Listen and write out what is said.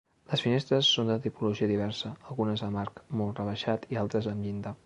Les finestres són de tipologia diversa, algunes amb arc molt rebaixat i altres amb llinda.